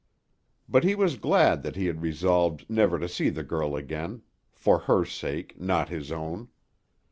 But he was glad that he had resolved never to see the girl again, for her sake, not his own.